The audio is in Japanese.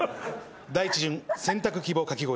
第１巡選択希望かき氷。